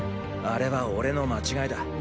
あれは俺の間違いだ。